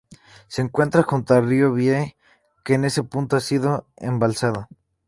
Se encuentra junto al río Vie, que en ese punto ha sido embalsado.